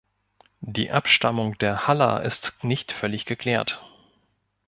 Die Abstammung der Haller ist nicht völlig geklärt.